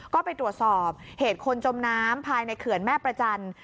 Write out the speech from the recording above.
ก็ไปตรวจสอบเหตุคนจมน้ำภายในเขื่อนแม่ประจันทร์